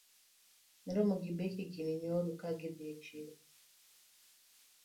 Na romo gi Becky gini nyoro ka gidhii e chiro